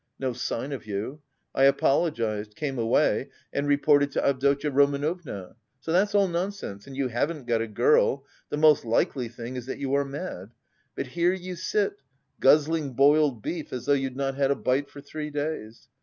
No sign of you. I apologised, came away, and reported to Avdotya Romanovna. So that's all nonsense and you haven't got a girl; the most likely thing is that you are mad. But here you sit, guzzling boiled beef as though you'd not had a bite for three days.